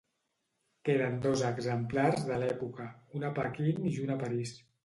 Queden dos exemplars de l'època, un a Pequín i un a París.